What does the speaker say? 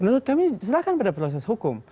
menurut kami serahkan pada proses hukum